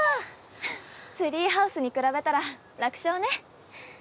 ツリーハウスに比べたら楽勝ね。